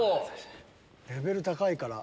レベル高いから。